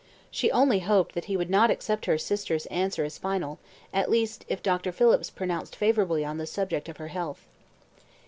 She only hoped that he would not accept her sister's answer as final, at least, if Dr. Phillips pronounced favourably on the subject of her health.